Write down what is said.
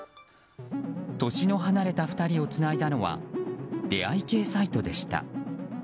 年の離れた２人をつないだのは出会い系サイトでした。